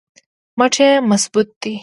مټ یې مضبوط دی.